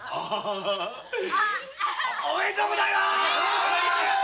おめでとうございまぁす！